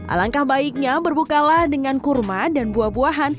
alangkah baiknya berbukalah dengan kurma dan buah buahan